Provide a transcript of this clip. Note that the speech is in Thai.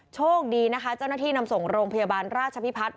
โชคดีนะคะเจ้าหน้าที่นำส่งโรงพยาบาลราชพิพัฒน์